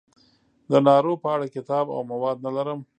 د نارو په اړه کتاب او مواد نه لرم.